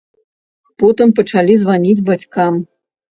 Потым пачалі званіць бацькам.